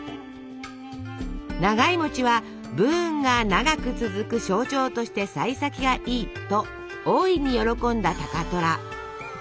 長いは「武運が長く続く象徴としてさい先がいい」と大いに喜んだ高虎。